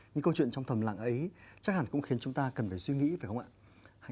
những câu chuyện trong thầm lặng ấy chắc hẳn cũng khiến chúng ta cần phải suy nghĩ phải không ạ